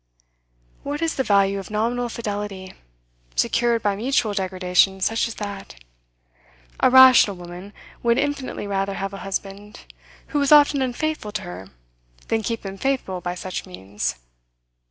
What is the value of nominal fidelity, secured by mutual degradation such as that? A rational woman would infinitely rather have a husband who was often unfaithful to her than keep him faithful by such means.